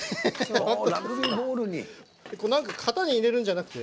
これ、なんか型に入れるんじゃなくて？